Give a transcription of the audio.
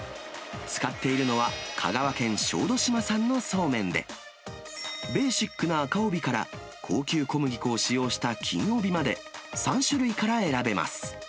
使っているのは香川県小豆島産のそうめんで、ベーシックな赤帯から、高級小麦粉を使用した金帯まで、３種類から選べます。